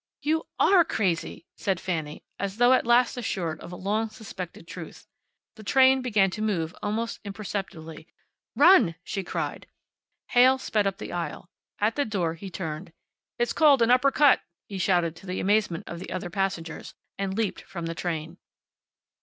"You ARE crazy," said Fanny, as though at last assured of a long suspected truth. The train began to move, almost imperceptibly. "Run!" she cried. Heyl sped up the aisle. At the door he turned. "It's called an uppercut," he shouted to the amazement of the other passengers. And leaped from the train.